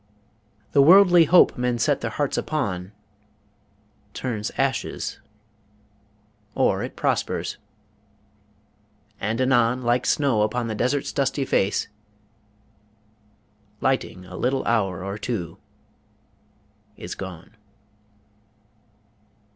The worldly hope men set their hearts upon turns ashes or it prospers; and anon like snow upon the desert's dusty face lighting a little hour or two is gone.